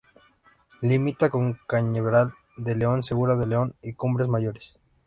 Limita con Cañaveral de León, Segura de León y Cumbres Mayores.